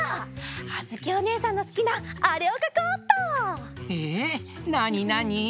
あづきおねえさんのすきなあれをかこうっと！えなになに？